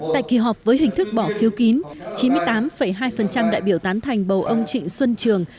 tại kỳ họp với hình thức bỏ phiếu kín chín mươi tám hai đại biểu tán thành bầu ông trịnh xuân trường